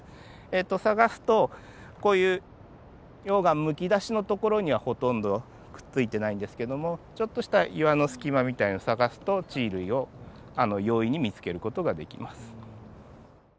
探すとこういう溶岩むき出しの所にはほとんどくっついてないんですけどもちょっとした岩の隙間みたいの探すと地衣類を容易に見つける事ができます。